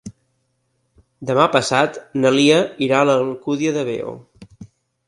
Demà passat na Lia irà a l'Alcúdia de Veo.